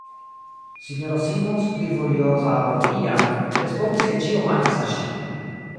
S-ino Simons, pli furioza ol iam, respondis, ke ĉio mankas al ŝi.